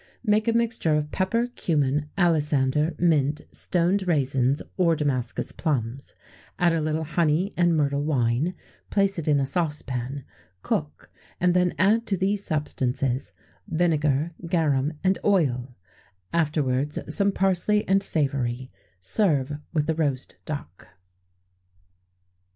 _ Make a mixture of pepper, cummin, alisander, mint, stoned raisins, or Damascus plums; add a little honey and myrtle wine; place it in a saucepan; cook, and then add to these substances vinegar, garum, and oil; afterwards some parsley and savory; serve with the roast duck.